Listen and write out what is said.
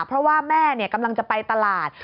เพราะว่าแม่กำลังจะไปตลาด